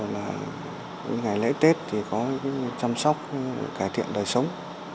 ngày lễ tết thì có chăm sóc cải thiện đời sống